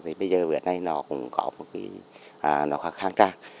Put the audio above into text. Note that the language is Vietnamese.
thì bây giờ bữa nay nó cũng có một cái kháng trang